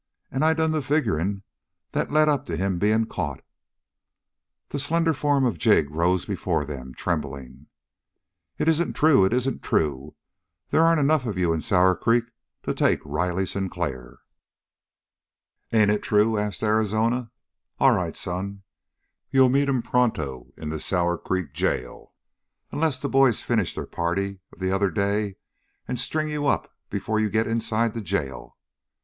And I done the figuring that led up to him being caught." The slender form of Jig rose before them, trembling. "It isn't true! It isn't true! There aren't enough of you in Sour Creek to take Riley Sinclair!" "Ain't it true?" asked Arizona. "All right, son, you'll meet him pronto in the Sour Creek jail, unless the boys finish their party of the other day and string you up before you get inside the jail."